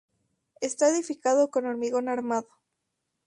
Esta edificado con hormigón armado.